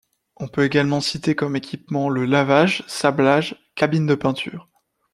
On peut également citer comme équipement le lavage, sablage, cabine de peinture.